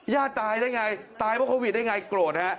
ตายได้ไงตายเพราะโควิดได้ไงโกรธฮะ